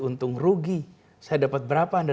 untung rugi saya dapat berapa anda